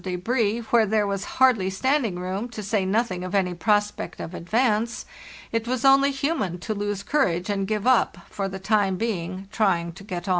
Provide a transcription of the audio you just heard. débris, where there was hardly standing room, to say nothing of any prospect of advance, it was only human to lose cour age and give up, for the time being, trying to get on.